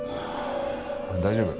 大丈夫。